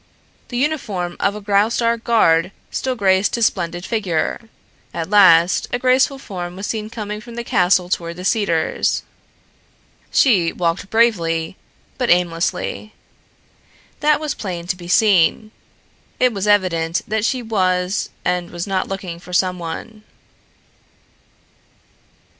The uniform of a Graustark guard still graced his splendid figure. At last a graceful form was seen coming from the castle toward the cedars. She walked bravely, but aimlessly. That was plain to be seen. It was evident that she was and was not looking for someone.